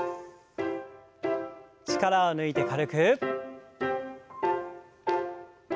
力を抜いて軽く。